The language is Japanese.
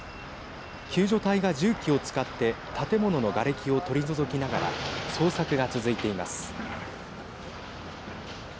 救助隊が重機を使って建物のがれきを取り除きながら捜索が続いています。